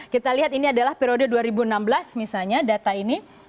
kita lihat ini adalah periode dua ribu enam belas misalnya data ini